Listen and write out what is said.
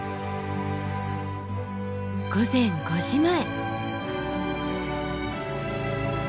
午前５時前。